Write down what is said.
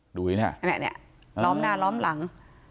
ดุยเนี่ยล้อมหน้าล้อมหลัง